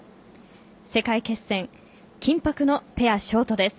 世界決戦緊迫のペアショートです。